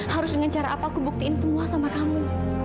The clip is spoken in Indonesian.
harus dengan cara apa aku buktiin semua sama kamu